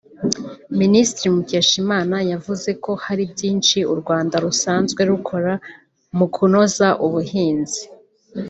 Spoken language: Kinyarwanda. Minisitiri Mukeshimana yavuze ko hari byinshi u Rwanda rusanzwe rukora mu kunoza ubuhinzi